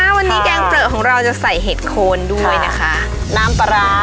วันนี้แกงเปลือกของเราจะใส่เห็ดโคนด้วยนะคะน้ำปลาร้า